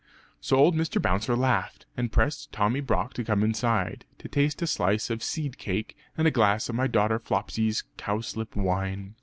So old Mr. Bouncer laughed; and pressed Tommy Brock to come inside, to taste a slice of seed cake and "a glass of my daughter Flopsy's cowslip wine."